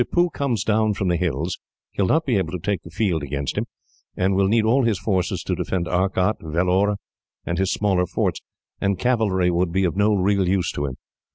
If Tippoo comes down from the hills, he will not be able to take the field against him, and will need all his forces to defend Arcot, Vellore, and his smaller forts, and cavalry would be of no real use to him.